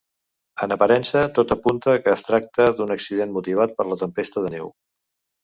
En aparença tot apunta que es tracta d'un accident motivat per la tempesta de neu.